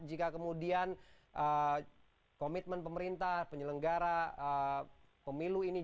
jika kemudian komitmen pemerintah penyelenggara pemilu ini